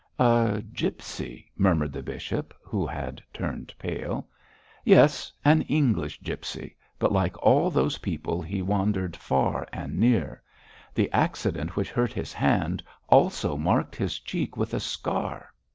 'A gipsy,' murmured the bishop, who had turned pale. 'Yes; an English gipsy, but like all those people he wandered far and near. The accident which hurt his hand also marked his cheek with a scar.'